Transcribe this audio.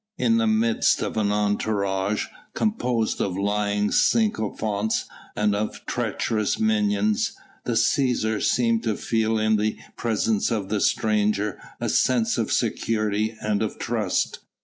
In the midst of an entourage composed of lying sycophants and of treacherous minions, the Cæsar seemed to feel in the presence of the stranger a sense of security and of trust.